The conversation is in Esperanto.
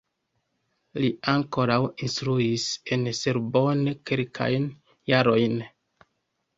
Li ankaŭ instruis en Sorbonne kelkajn jarojn.